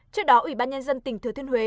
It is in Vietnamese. trước đó ủy ban nhân dân tỉnh thừa thiên huế